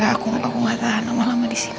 aku nggak tahan lama lama di sini